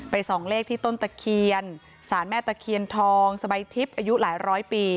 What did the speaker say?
สองเลขที่ต้นตะเคียนสารแม่ตะเคียนทองสบายทิพย์อายุหลายร้อยปี